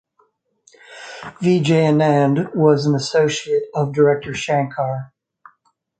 Vijay Anand was an Associate of Director Shankar.